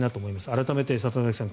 改めて里崎さん